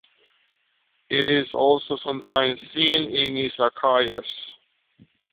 It is also sometimes seen in izakayas.